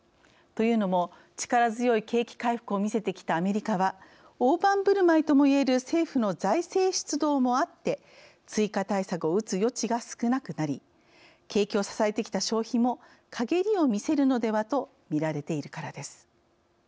というのも力強い景気回復をみせてきたアメリカは大盤振る舞いともいえる政府の財政出動もあって追加対策を打つ余地が少なくなり景気を支えてきた消費もかげりを見せるのではとみられているからです。